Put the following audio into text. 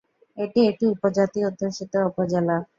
এটি একটি উপজাতি অধ্যুষিত উপজেলা।